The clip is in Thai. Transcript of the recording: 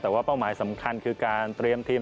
แต่ว่าเป้าหมายสำคัญคือการเตรียมทีม